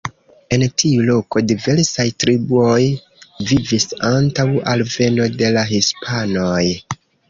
En tiu loko diversaj triboj vivis antaŭ alveno de la hispanoj.